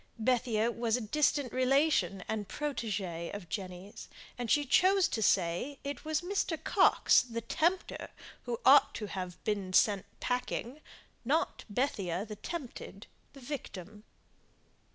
Bethia was a distant relation and protÄgÄe of Jenny's, and she chose to say it was Mr. Coxe the tempter who ought to have "been sent packing," not Bethia the tempted, the victim.